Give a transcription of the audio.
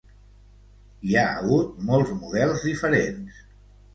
Hi ha hagut molts models diferents.